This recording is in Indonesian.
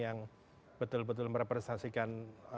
yang betul betul merepresentasikan